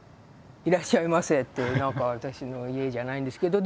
いらっしゃいませって何か私の家じゃないんですけど